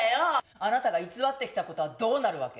あなたが偽ってきたことはどうなるわけ？